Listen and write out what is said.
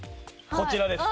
こちらです。